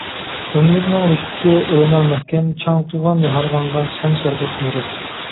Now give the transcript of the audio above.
ئۆملۈكنىڭ رىشتىسى ئۇلىنار مەھكەم، چاڭقىغان، ھارغانغا سەن شەربەت نورۇز.